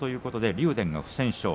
竜電が不戦勝。